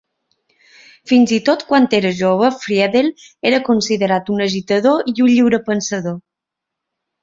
Fins i tot quan era tan jove, Friedell era considerat un agitador i un lliurepensador